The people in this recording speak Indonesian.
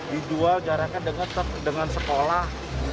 dijual jaraknya dengan sekolah